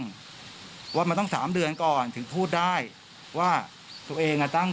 หรือว่าให้เล่าให้ฟังว่ามาต้อง๓เดือนก่อนถึงพูดได้ว่าตัวเองเอาตั้ง